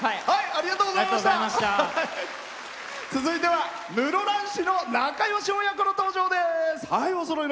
続いては室蘭市の仲よし親子の登場です。